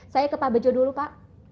saya ke pak bejo dulu pak